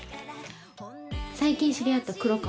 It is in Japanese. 最近知り合った黒川。